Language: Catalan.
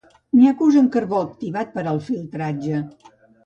N'hi ha que usen carbó activat per al filtratge.